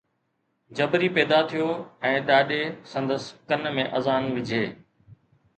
جبري پيدا ٿيو ۽ ڏاڏي سندس ڪن ۾ اذان وجھي